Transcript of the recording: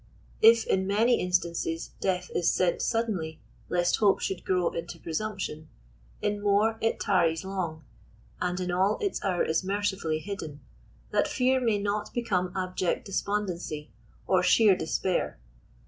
If in many instances death is sent suddenly lest hope should grow into pre sumption, in inore it tarries long, and in all its hour is mercifully hidden, that fear may not become abject despondency or sheer des pair.